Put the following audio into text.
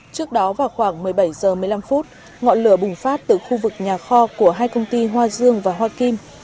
trước đó vào khoảng một mươi bảy h một mươi năm ngọn lửa bùng phát từ khu vực nhà kho của hai công ty hoa dương và hoa kim